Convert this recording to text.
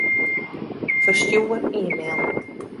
Ferstjoer e-mail.